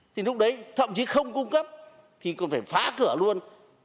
thì lúc đấy thậm chí không cung cấp thì còn phải phá cửa luôn